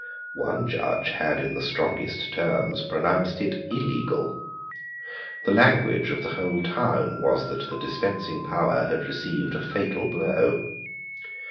One Judge had in the strongest terms pronounced it illegal. The language of the whole town was that the dispensing power had received a fatal blow.